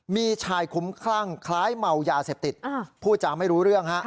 มีชายคุ้มคลั่งคล้ายเมายาเสพติดพูดจาไม่รู้เรื่องฮะ